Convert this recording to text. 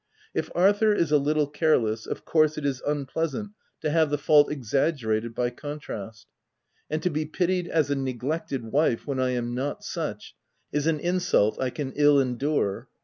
If Arthur is a little careless, of course it is unpleasant to have the fault exaggerated by contrast ; and to be pitied as a neglected wife when I am not such, is an insult I can ill en dure.